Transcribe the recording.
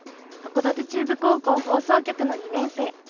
函館中部高校放送局の２年生。